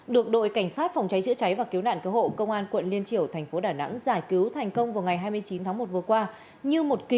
được đội cảnh sát phòng cháy chữa cháy và cứu nạn cứu hộ công an quận liên triều thành phố đà nẵng giải cứu thành công